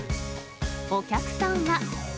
お客さんは。